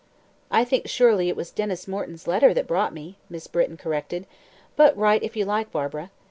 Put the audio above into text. "I think surely it was Denys Morton's letter that brought me," Miss Britton corrected; "but write if you like, Barbara."